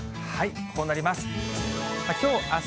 こうなります。